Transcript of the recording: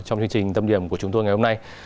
trong chương trình tâm điểm của chúng tôi ngày hôm nay